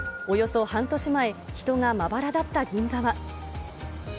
およそ半年前、人がまばらだった銀座は。